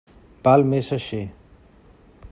Val més així.